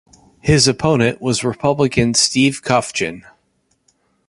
His opponent was Republican Steve Cofchin.